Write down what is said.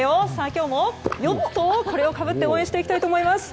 今日もこれをかぶって応援していきたいと思います。